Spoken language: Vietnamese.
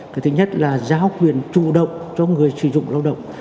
cái thứ nhất là giao quyền chủ động cho người sử dụng lao động